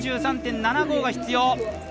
９３．７５が必要。